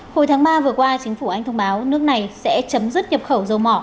hồi tháng ba vừa qua chính phủ anh thông báo nước này sẽ chấm dứt nhập khẩu dầu mỏ